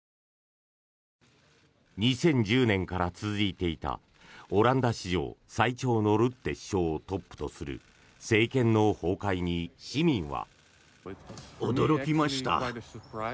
２０１０年から続いていたオランダ史上最長のルッテ首相をトップとする政権の崩壊に市民は。